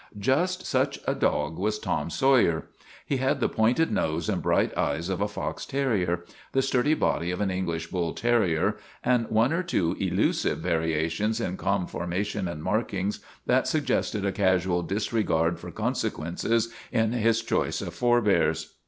Just such a dog was Tom Sawyer. He had the pointed nose and bright eyes of a fox terrier, the sturdy body of an English bull terrier, and one or two elusive variations in conformation and markings that suggested a casual disregard for consequences in his choice of forebears.